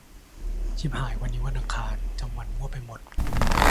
ชิบหาย วันนี้วันอังคาร จำวันมั่วไปหมด